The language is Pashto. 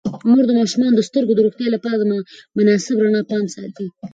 مور د ماشومانو د سترګو د روغتیا لپاره د مناسب رڼا پام ساتي.